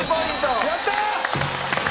やったー！